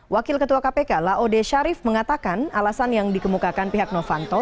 wakil ketua kpk laode sharif mengatakan alasan yang dikemukakan pihak novanto